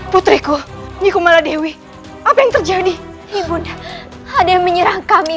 putriku nikumala dewi apa yang terjadi ibu ada yang menyerang kami